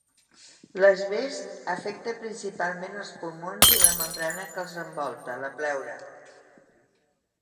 L'asbest afecta principalment els pulmons i la membrana que els envolta, la pleura.